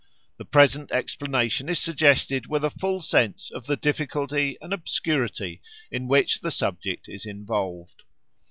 The present explanation is suggested with a full sense of the difficulty and obscurity in which the subject is involved.